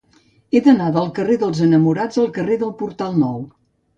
He d'anar del carrer dels Enamorats al carrer del Portal Nou.